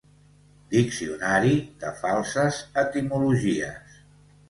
Diccionari de falses etimologies.